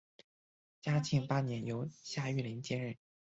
嘉靖八年由夏玉麟接任。